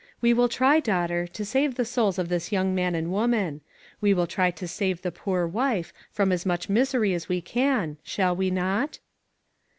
We will try, daughter, to save the souls of this young man and woman. We will try to save the poor wife from as much misery as we can, shall we not?"